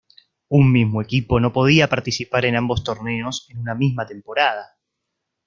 Un mismo equipo no podía participar en ambos torneos en un misma temporada.